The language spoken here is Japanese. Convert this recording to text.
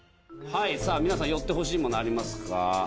はいさぁ皆さん寄ってほしいものありますか？